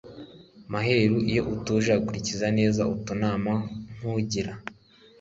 maheru iyo utuje ugakulikiza neza utunama nkugira